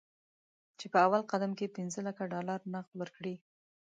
چې په اول قدم کې پنځه لکه ډالر نغد ورکړي.